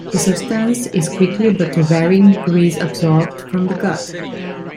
The substance is quickly but to varying degrees absorbed from the gut.